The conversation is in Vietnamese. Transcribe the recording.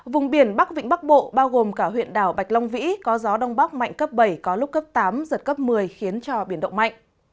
vùng biển bắc vịnh bắc bộ bao gồm cả huyện đảo bạch long vĩ có gió đông bắc mạnh cấp bảy có lúc cấp tám giật cấp một mươi khiến cho biển động mạnh